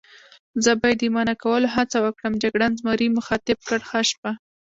زه به یې د منع کولو هڅه وکړم، جګړن زمري مخاطب کړ: ښه شپه.